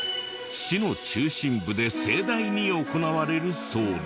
市の中心部で盛大に行われるそうで。